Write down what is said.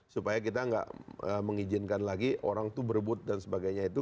supaya kita nggak mengizinkan lagi orang itu berebut dan sebagainya itu